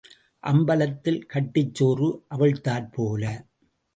அம்பலத்தில் கட்டுச் சோறு அவிழ்த்தாற்போல.